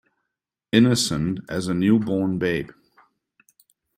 Innocent as a new born babe.